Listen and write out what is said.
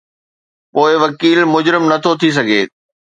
پوءِ وڪيل مجرم نٿو ٿي سگهي؟